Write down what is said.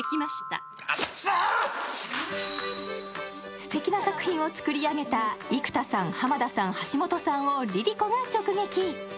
すてきな作品を作り上げた生田さん、濱田さん、橋本さんをＬｉＬｉＣｏが直撃！